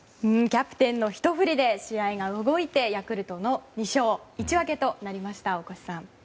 キャプテンのひと振りで試合が動いてヤクルトの２勝１分けとなりました、大越さん。